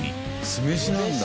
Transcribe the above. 酢飯なんだ。